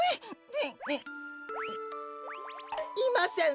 いません！